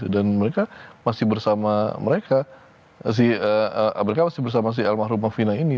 dan mereka masih bersama si almarhumah vina ini